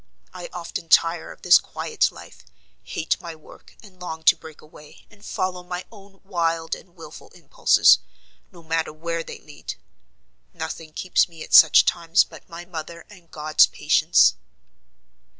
I often tire of this quiet life, hate my work, and long to break away, and follow my own wild and wilful impulses, no matter where they lead. Nothing keeps me at such times but my mother and God's patience."